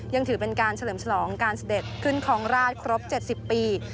ยังถือเป็นการเฉลิมฉลองการเสด็จขึ้นครองราชครบ๗๐ปี